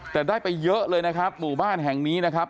แต่ได้ไปเยอะเลยนะครับหมู่บ้านแห่งนี้นะครับ